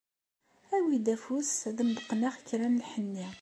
Awi-d afus ad am-d-qqneɣ kra n lḥenni